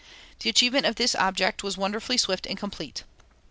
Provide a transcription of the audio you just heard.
The achievement of this object was wonderfully swift and complete.